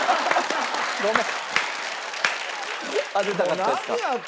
当てたかったですか？